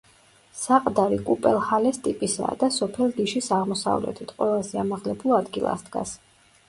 საყდარი კუპელჰალეს ტიპისაა და სოფელ გიშის აღმოსავლეთით, ყველაზე ამაღლებულ ადგილას დგას.